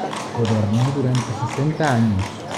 Gobernó durante sesenta años.